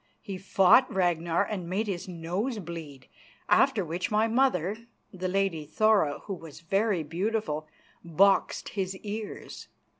He fought Ragnar and made his nose bleed, after which my mother, the Lady Thora, who was very beautiful, boxed his ears.